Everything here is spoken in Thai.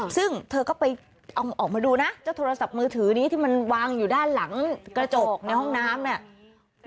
ซึ่งเธอก็ไปเอาออกมาดูนะเจ้าโทรศัพท์มือถือนี้ที่มันวางอยู่ด้านหลังกระจกในห้องน้ำเนี่ย